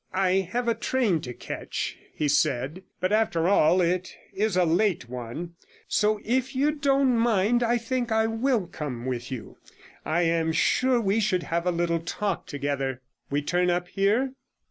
'I have a train to catch,' he said; 'but after all, it is a late one. So if you don't mind, I think I will come with you. I am sure we should have a little talk together. We turn up here?'